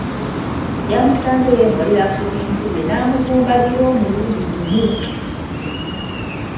Yamusanze yeemoolera ku bintu bye n’amuvumbagira omulundi gumu.